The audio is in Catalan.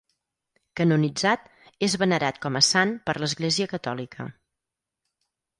Canonitzat, és venerat com a sant per l'Església catòlica.